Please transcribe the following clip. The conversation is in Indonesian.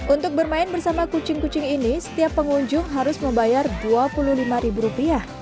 untuk bermain bersama kucing kucing ini setiap pengunjung harus membayar rp dua puluh lima